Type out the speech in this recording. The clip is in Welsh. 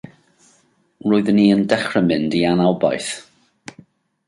Roeddwn i yn dechrau mynd i anobaith.